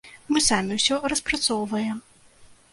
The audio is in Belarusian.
Мы самі ўсё распрацоўваем.